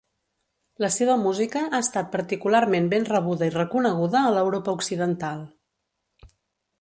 La seva música ha estat particularment ben rebuda i reconeguda a l'Europa occidental.